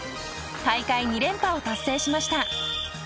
大会２連覇を達成しました。